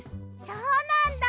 そうなんだ。